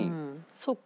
そっか。